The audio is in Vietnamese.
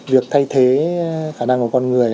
việc thay thế khả năng của con người